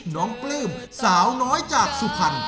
น้องปลื้มสาวน้อยจากสุภัณฑ์